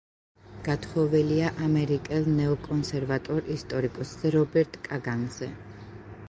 გათხოვილია ამერიკელ ნეოკონსერვატორ ისტორიკოსზე რობერტ კაგანზე.